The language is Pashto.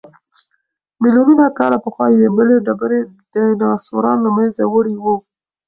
ملیونونه کاله پخوا یوې بلې ډبرې ډیناسوران له منځه وړي وو.